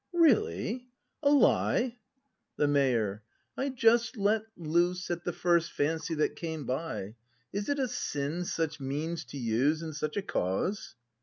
Really, a lie? The Mayor. I just let loose At the first fancy that came by; Is it a sin such means to use In such a cause